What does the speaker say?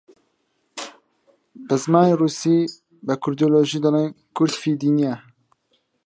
کە ئێستاش کەلیمەیەکم بۆ نەنووسی!